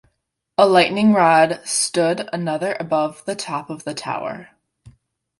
A lightning rod stood another above the top of the tower.